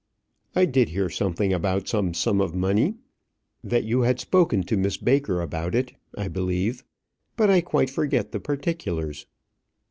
"I did hear something about some sum of money that you had spoken to Miss Baker about it, I believe; but I quite forget the particulars."